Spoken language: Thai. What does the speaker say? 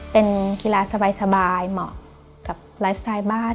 เป็นกีฬาสบายเหมาะกับไลฟ์สไตล์บ้าน